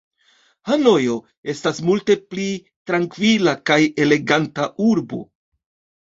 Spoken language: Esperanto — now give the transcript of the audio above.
Hanojo estas multe pli trankvila kaj eleganta urbo.